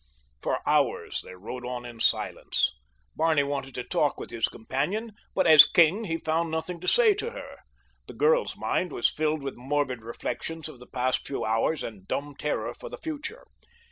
For hours they rode on in silence. Barney wanted to talk with his companion, but as king he found nothing to say to her. The girl's mind was filled with morbid reflections of the past few hours and dumb terror for the future.